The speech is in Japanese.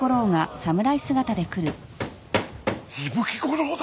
伊吹吾郎だ！